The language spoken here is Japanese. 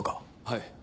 はい。